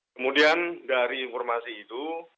kemudian dari informasi itu